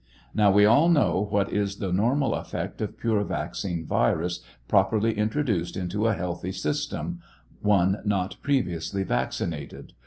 Now we all know what is the normal effect of pure vaccine virus properly intro duced into a healthy system — one not previously vaccinated.